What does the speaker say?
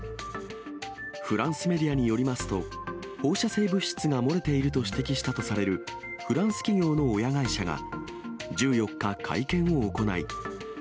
フランスメディアによりますと、放射性物質が漏れていると指摘されたとするフランス企業の親会社が、１４日、会見を行い。